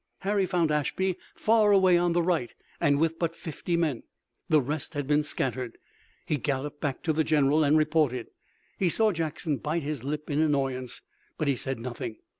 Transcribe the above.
Harry found Ashby far away on the right, and with but fifty men. The rest had been scattered. He galloped back to his general and reported. He saw Jackson bite his lip in annoyance, but he said nothing.